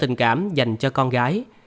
tình cảm dành cho con gái